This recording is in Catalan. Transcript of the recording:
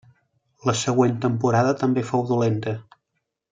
La següent temporada també fou dolenta.